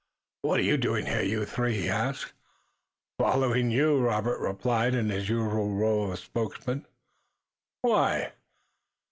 "What are you doing here, you three?" he asked. "Following you," replied Robert in his usual role of spokesman. "Why?"